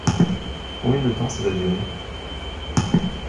Combien de temps ça va durer ?